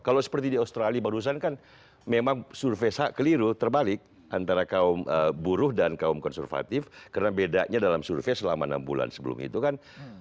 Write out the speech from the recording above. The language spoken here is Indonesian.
kalau seperti di australia barusan kan memang survei keliru terbalik antara kaum buruh dan kaum konservatif karena bedanya dalam survei selama enam bulan sebelum itu kan